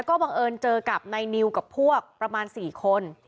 ก็บังเอิญเจอกับนายนิวกับพวกประมาณ๔คน